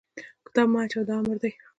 کتاب مه اچوه! دا امر دی.